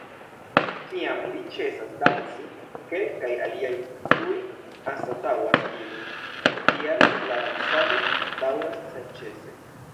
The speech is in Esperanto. Kiam ili ĉesas "danci", kelkaj aliaj tuj anstataŭas ilin, tial la dancado daŭras senĉese.